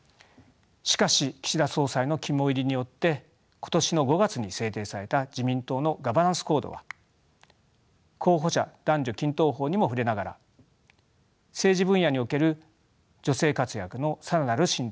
しかし岸田総裁の肝煎りによって今年の５月に制定された自民党のガバナンスコードは候補者男女均等法にも触れながら政治分野における女性活躍の更なる進展を最優先の政治課題と位置づけ